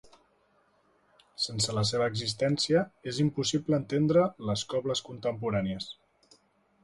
Sense la seva existència és impossible entendre les cobles contemporànies.